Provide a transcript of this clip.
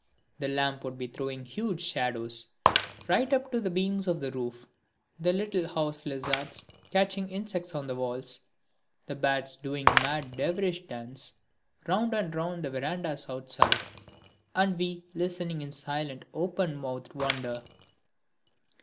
The lamp would be throwing huge shadows right up to the beams of the roof, the little house lizards catching insects on the walls, the bats doing a mad dervish dance round and round the verandahs outside, and we listening in silent open mouthed wonder.